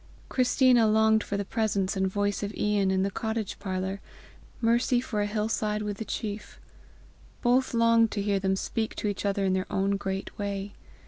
Christina longed for the presence and voice of Ian in the cottage parlour, Mercy for a hill side with the chief; both longed to hear them speak to each other in their own great way.